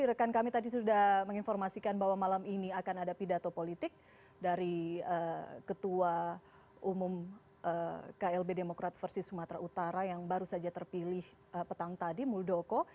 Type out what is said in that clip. rekan kami tadi sudah menginformasikan bahwa malam ini akan ada pidato politik dari ketua umum klb demokrat versi sumatera utara yang baru saja terpilih petang tadi muldoko